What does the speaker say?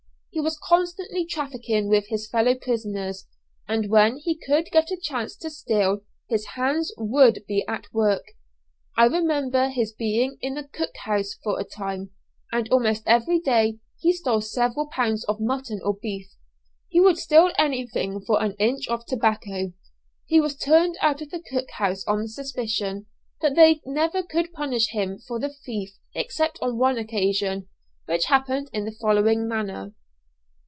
He was constantly trafficking with his fellow prisoners, and when he could get a chance to steal, his hands would be at work. I remember his being in the cook house for a time, and almost every day he stole several pounds of mutton or beef. He would steal anything for an inch of tobacco. He was turned out of the cook house on suspicion, but they never could punish him for theft except on one occasion, which happened in the following manner.